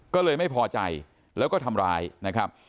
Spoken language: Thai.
ก็เลยไม่พอใจแล้วก็ทำร้ายนะครับ